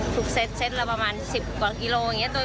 ทุกเซ็ตเราประมาณ๑๐กว่ากิโลเมตรอย่างนี้